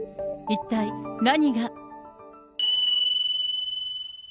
一体何が。